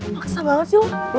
maksudnya banget sih lo